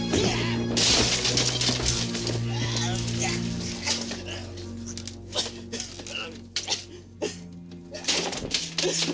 kau cari mampus